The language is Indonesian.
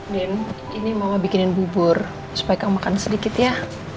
den ini mama bikinin bubur supaya kamu makan sedikit ya